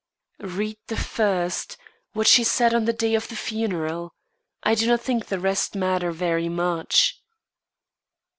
"Read the first what she said on the day of the funeral. I do not think the rest matter very much."